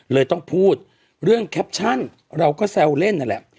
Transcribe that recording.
เลยต้องพูดเรื่องแคปชั่นเราก็แซวเล่นนั่นแหละ